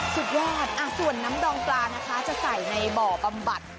สุดยอดส่วนน้ำดองปลานะคะจะใส่ในบ่อบำบัด